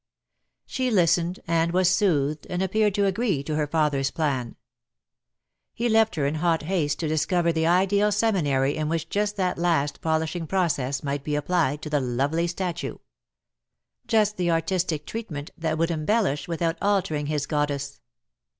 She listened, and was soothed, and appeared to agree to her father's plan. He left her in hot haste to discover the ideal seminary in which just that last polishing process might be applied to the lovely statue. Just the artistic treatment that would embellish without altering his goddess.